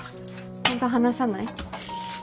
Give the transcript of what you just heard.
ちゃんと話さない？